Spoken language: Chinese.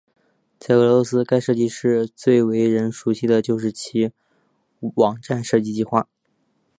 在俄罗斯该设计室最为人熟悉就是其网站设计计划。